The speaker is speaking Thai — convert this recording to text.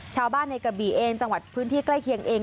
ชาวบ้านในกระบี่เองจังหวัดพื้นที่ใกล้เคียงเอง